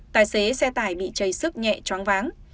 tài xế xe tài bị chây sức nhẹ choáng váng